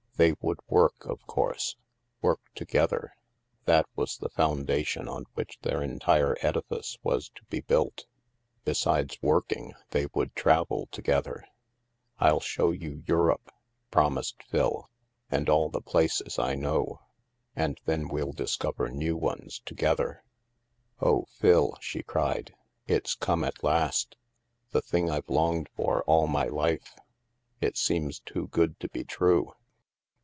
They would work, of course; work together. That was the foundation on which their entire edi fice was to be built Besides working, they would travel together. "I'll show you Europe," promised Phil, "and all the places I know. And then we'll discover new ones together." " Oh, Phil," she cried, " it's come at last! The thing I've longed for all my life ! It seems too good to be true."